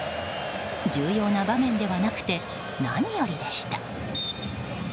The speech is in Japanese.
重要な場面ではなくて何よりでした。